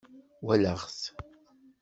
Wallaɣ-t